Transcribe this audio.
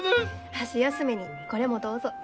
箸休めにこれもどうぞ。